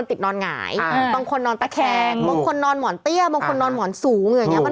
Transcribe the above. ทำไมเราก็หาหมอนอันนั้น